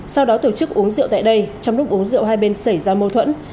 sau đó tổ chức uống rượu tại đây trong lúc uống rượu hai bên xảy ra mâu thuẫn